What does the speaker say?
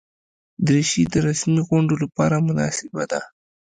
دریشي د رسمي غونډو لپاره مناسبه ده.